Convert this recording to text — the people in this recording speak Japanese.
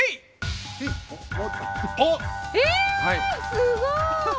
すごい！